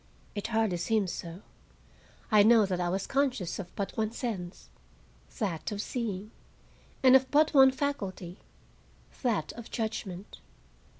It hardly seems so. I know that I was conscious of but one sense, that of seeing; and of but one faculty, that of judgment.